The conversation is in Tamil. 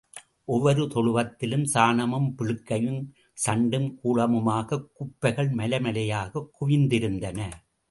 ஒவ்வொரு தொழுவத்திலும் சாணமும், பிழுக்கையும், சண்டும், கூளமுமாகக் குப்பைகள் மலை மலையாகக் குவிந்திருந்தன.